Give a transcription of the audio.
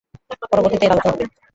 পরবর্তীতে এর আলোচনা হবে।